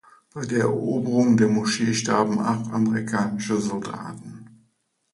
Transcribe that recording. Bei der Eroberung der Moschee starben acht amerikanische Soldaten.